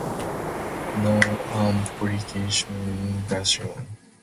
No accompanying vinyl version was made available on either occasion.